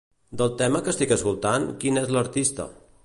Del tema que estic escoltant, qui n'és l'artista?